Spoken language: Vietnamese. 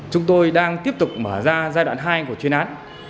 chúng tôi đang tiếp tục mở ra giai đoạn hai của chuyên án